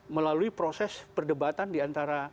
melalui proses perdebatan yang terjadi di kppk